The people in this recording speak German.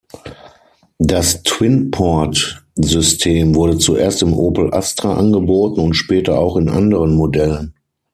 Das Twinport-System wurde zuerst im Opel Astra angeboten und später auch in anderen Modellen.